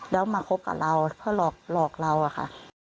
แล้วมาคบกับเราเพื่อหลอกเราอะค่ะ